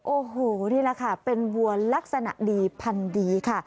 โอ้โหนี่แหละค่ะเป็นวัวลักษณะดีพันธุ์ดีค่ะ